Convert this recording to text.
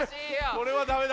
これはダメだ。